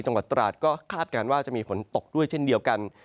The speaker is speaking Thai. จังหวัดตราดก็คาดการณ์ว่าจะมีฝนตกด้วยเช่นเดียวกัน